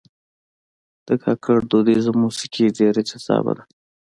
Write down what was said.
د کاکړ دودیزه موسیقي ډېر جذابه ده.